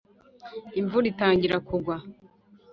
imvura itangiye kugwa